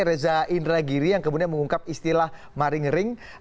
reza indragiri yang kemudian mengungkap istilah maring ring